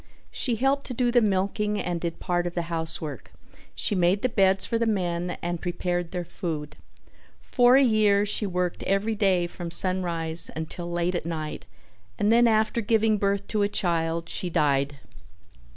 She helped to do the milking and did part of the housework; she made the beds for the men and prepared their food. For a year she worked every day from sunrise until late at night and then after giving birth to a child she died.